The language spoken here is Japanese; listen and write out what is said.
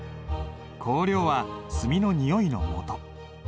香料は墨のにおいのもと。